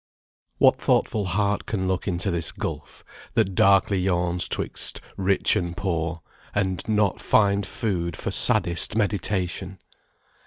"What thoughtful heart can look into this gulf That darkly yawns 'twixt rich and poor, And not find food for saddest meditation!